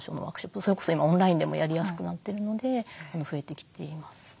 それこそ今オンラインでもやりやすくなってるので増えてきていますね。